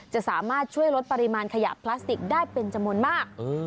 จะสามารถช่วยลดปริมาณขยะพลาสติกได้เป็นจำนวนมาก